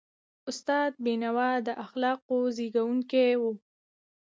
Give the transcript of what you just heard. استاد بینوا د اخلاقو روزونکی و.